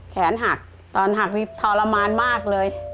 แขนหักตอนหักนี่ทรมานมากเลย